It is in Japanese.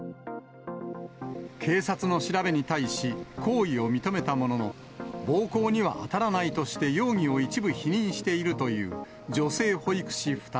警察の調べに対し、行為を認めたものの、暴行には当たらないとして容疑を一部否認しているという女性保育士２人。